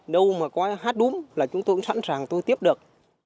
đâu mà có hát đúng là chúng tôi cũng sẵn sàng tôi tiếp được